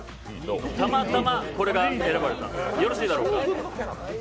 たまたまこれが選ばれたよろしいだろうか。